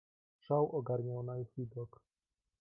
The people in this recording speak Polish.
"Szał ogarniał na ich widok."